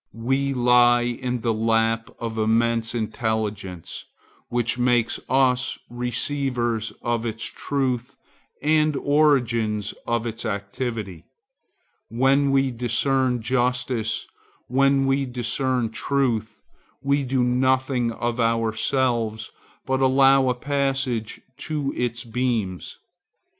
We lie in the lap of immense intelligence, which makes us receivers of its truth and organs of its activity. When we discern justice, when we discern truth, we do nothing of ourselves, but allow a passage to its beams.